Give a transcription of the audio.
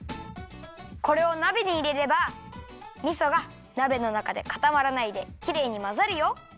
これをなべにいれればみそがなべのなかでかたまらないできれいにまざるよ。